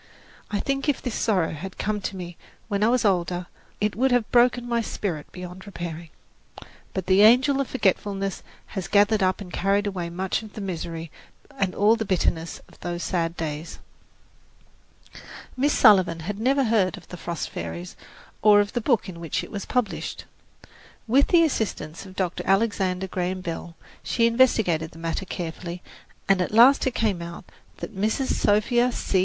I think if this sorrow had come to me when I was older, it would have broken my spirit beyond repairing. But the angel of forgetfulness has gathered up and carried away much of the misery and all the bitterness of those sad days. Miss Sullivan had never heard of "The Frost Fairies" or of the book in which it was published. With the assistance of Dr. Alexander Graham Bell, she investigated the matter carefully, and at last it came out that Mrs. Sophia C.